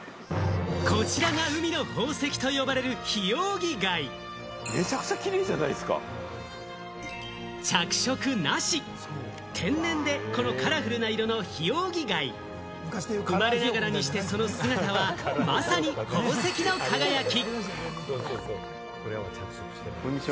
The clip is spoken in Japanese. こちらが海の宝石と呼ばれる、着色なし、天然でこのカラフルな色のヒオウギ貝、生まれながらにしてその姿はまさに宝石の輝き！